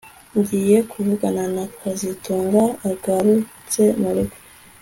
Ngiye kuvugana na kazitunga agarutse murugo